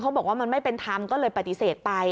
บอกว่ามันไม่เป็นธรรมก็เลยปฏิเสธไป